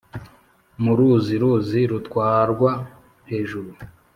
mu ruzi-ruzi, rutwarwa hejuru